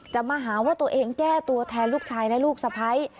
มาหาว่าตัวเองแก้ตัวแทนลูกชายและลูกสะพ้าย